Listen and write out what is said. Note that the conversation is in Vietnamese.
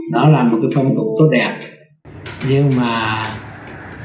đó là một cái phong tục